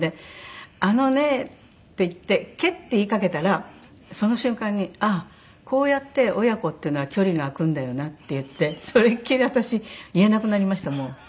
「あのね」って言って「け」って言いかけたらその瞬間に「ああこうやって親子っていうのは距離があくんだよな」って言ってそれっきり私言えなくなりましたもう。